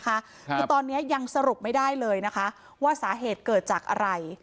คือตอนนี้ยังสรุปไม่ได้เลยนะคะว่าสาเหตุเกิดจากอะไร